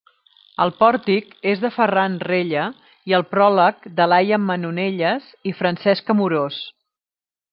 El pòrtic és de Ferran Rella i el pròleg de Laia Manonelles i Francesc Amorós.